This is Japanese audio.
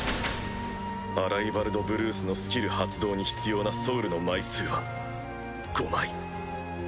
アライヴァルドブルースのスキル発動に必要なソウルの枚数は５枚。